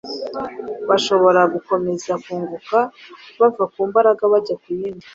bashobora gukomeza bunguka bava ku mbaraga bajya ku yindi,